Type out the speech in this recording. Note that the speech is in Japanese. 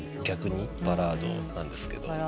逆にバラードなんですけど。